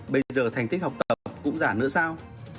bây giờ thành tích học tập cũng giả nữa sao